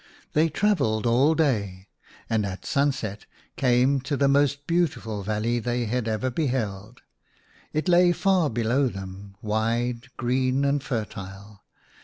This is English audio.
They travelled all day, and 15 Setuli ; i at sunset came to the most beautiful valley they had ever beheld. It lay far below them, wide, green, and fertile.